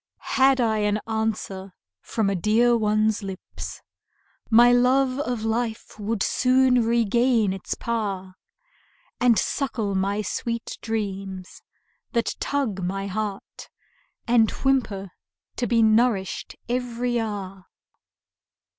Had I an answer from a dear one's lips, My love of life would soon regain its power; And suckle my sweet dreams, that tug my heart, And whimper to be nourished every hour.